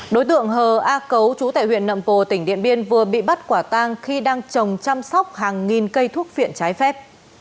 đối tượng hờ a cấu chú tại huyện nậm pồ tỉnh điện biên vừa bị bắt quả tang khi đang trồng chăm sóc hàng nghìn cây thuốc viện trái phép